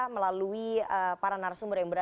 melalui para narasumber yang berada